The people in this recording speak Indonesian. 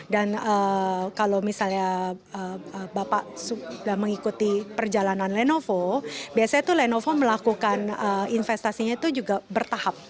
dan kalau misalnya bapak sudah mengikuti perjalanan lenovo biasanya lenovo melakukan investasinya itu juga bertahap